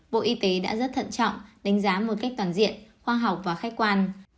bộ y tế đã rất thận trọng đánh giá một cách toàn diện khoa học và khách quan